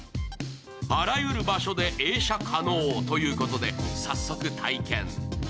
あらゆる場所で映写可能ということで、早速体験。